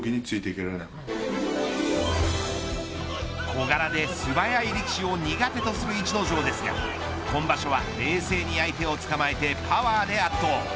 小柄で、すばやい力士を苦手とする逸ノ城ですが今場所は、冷静に相手をつかまえてパワーで圧倒。